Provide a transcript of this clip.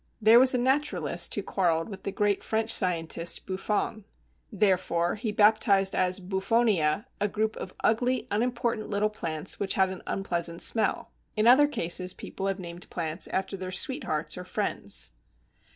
There was a naturalist who quarrelled with the great French scientist Buffon. Therefore he baptized as Buffonia a group of ugly, unimportant little plants which had an unpleasant smell. In other cases people have named plants after their sweethearts or friends.